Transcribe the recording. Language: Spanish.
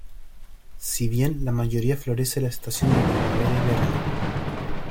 Si bien la mayoría florece en la estación de primavera y verano.